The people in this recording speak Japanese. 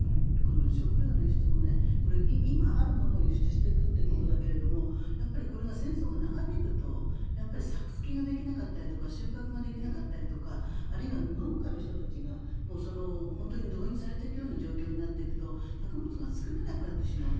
食糧の輸出も今あるものを輸出していくということだけどやっぱりこれが戦争が長引くと作付けができなかったりとか収穫ができなかったりとかあるいは農家の人たちが本当に動員されていくような状況になっていくと作物が作れなくなってしまう。